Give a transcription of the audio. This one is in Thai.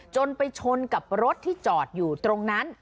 จนไปชนกับรถที่จอดอยู่ตรงนั้น